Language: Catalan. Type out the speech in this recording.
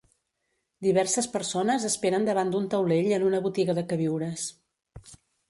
Diverses persones esperen davant d'un taulell en una botiga de queviures.